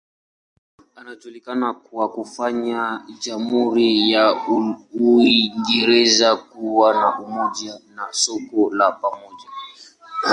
Anajulikana kwa kufanya jamhuri ya Uingereza kuwa na umoja na soko la pamoja.